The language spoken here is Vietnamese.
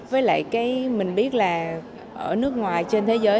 với lại cái mình biết là ở nước ngoài trên thế giới